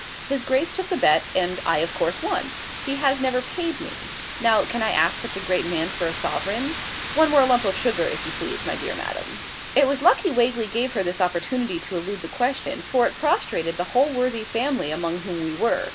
His Grace took the bet, and of course I won. He has never paid me. Now, can I ask such a great man for a sovereign? One more lump of sugar, if you please, my dear madam.' It was lucky Wagley gave her this opportunity to elude the question, for it prostrated the whole worthy family among whom we were.